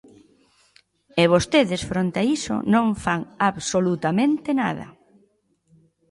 E vostedes fronte a iso non fan absolutamente nada.